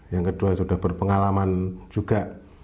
yang kedua sudah berpengalaman juga